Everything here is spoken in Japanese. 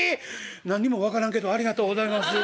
「何にも分からんけどありがとうございます。